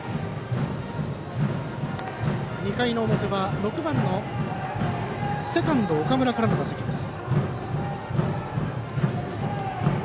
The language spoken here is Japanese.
２回の表は、６番のセカンド岡村からの打席です。